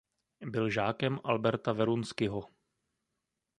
Byl žákem Alberta Werunskyho.